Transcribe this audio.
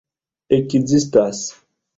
ekzistas